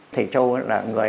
thầy châu là người